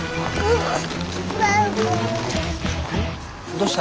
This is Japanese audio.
どうした？